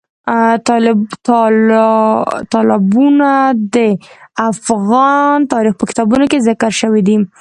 تالابونه د افغان تاریخ په کتابونو کې ذکر شوي دي.